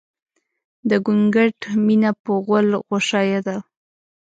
د ګونګټ مينه په غول غوشايه ده